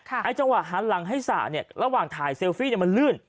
ไอ้จังหวะหันหลังให้สระเนี่ยระหว่างถ่ายเซลฟี่มันลื่น